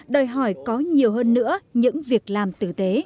đòi hỏi có nhiều hơn nữa những việc làm tử tế